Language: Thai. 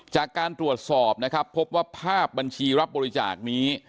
จากการตรวจสอบนะครับพบว่าภาพบัญชีรับบริจาคนี้